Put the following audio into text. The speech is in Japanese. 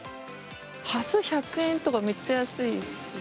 ハス１００円とかめっちゃ安いし。